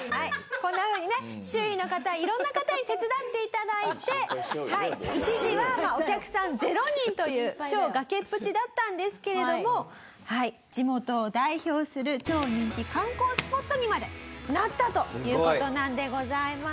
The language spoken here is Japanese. こんな風にね周囲の方いろんな方に手伝っていただいて一時はお客さん０人という超崖っぷちだったんですけれども地元を代表する超人気観光スポットにまでなったという事なんでございます。